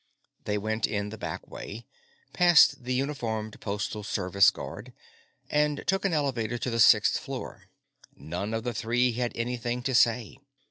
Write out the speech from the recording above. They went in the back way, past the uniformed Postal Service guard, and took an elevator to the sixth floor. None of the three had anything to say.